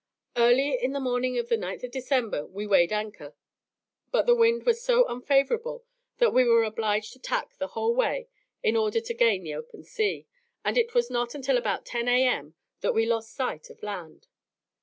Early in the morning of the 9th of December we weighed anchor, but the wind was so unfavourable that we were obliged to tack the whole day in order to gain the open sea, and it was not until about 10 A.M. that we lost sight of land.